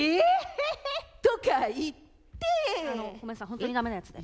ほんとにダメなやつで。